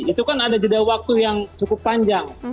itu kan ada jeda waktu yang cukup panjang